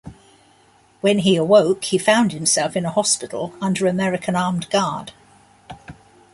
When he awoke, he found himself in a hospital under American armed guard.